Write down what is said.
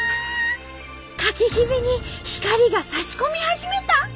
かきひびに光がさし込み始めた。